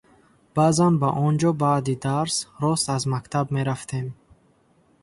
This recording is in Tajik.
Баъзан ба он ҷо баъди дарс рост аз мактаб мерафтем.